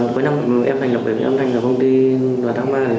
cuối năm em thành lập với em thành lập công ty vào tháng ba